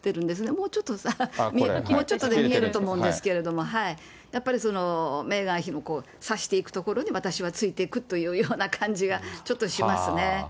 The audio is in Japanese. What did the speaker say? もうちょっと、もうちょっとで見えると思うんですけれども、やっぱりメーガン妃の指していく所に私はついていくというような感じがちょっとしますね。